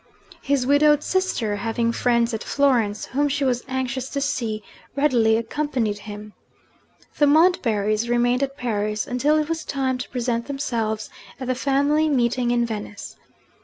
His widowed sister, having friends at Florence whom she was anxious to see, readily accompanied him. The Montbarrys remained at Paris, until it was time to present themselves at the family meeting in Venice.